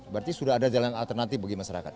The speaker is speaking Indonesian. berarti sudah ada jalan alternatif bagi masyarakat